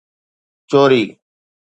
چوري